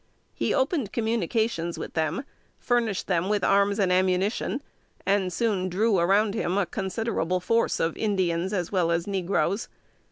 He opened communications with them, furnished them with arms and ammunition, and soon drew around him a considerable force of Indians as well as negroes.